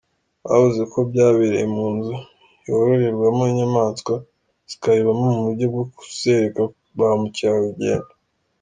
Bavuze ko byabereye mu nzu yororerwamo inyamaswa zikayibamo mu buryo bwo kuzereka ba mukerarugendo.